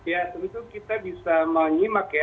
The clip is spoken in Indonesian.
ya tentu kita bisa menyimak ya